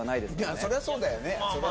そりゃそうだよね。